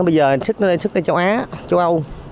bây giờ hành sức nó lên sức ở châu á châu âu